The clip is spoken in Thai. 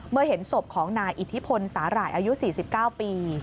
เมื่อเห็นศพของนายอิทธิพลสาหร่ายอายุ๔๙ปี